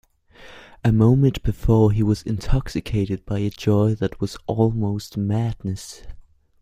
A moment before he was intoxicated by a joy that was almost madness.